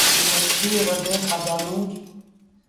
مڇيٚ رڌي کآدآنڌون۔